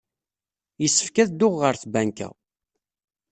Yessefk ad dduɣ ɣer tbanka.